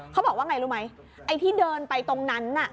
เขาบอกว่าไงรู้ไหมไอ้ที่เดินไปตรงนั้นน่ะ